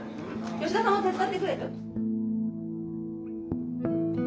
吉田さんも手伝ってくれる？